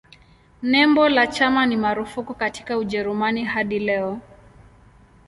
Nembo la chama ni marufuku katika Ujerumani hadi leo.